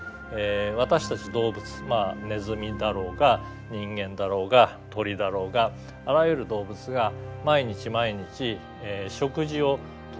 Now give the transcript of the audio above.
私たち動物ネズミだろうが人間だろうが鳥だろうがあらゆる動物が毎日毎日食事をとり続けなければいけない。